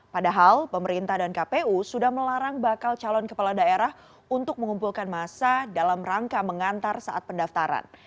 padahal pemerintah dan kpu sudah melarang bakal calon kepala daerah untuk mengumpulkan masa dalam rangka mengantar saat pendaftaran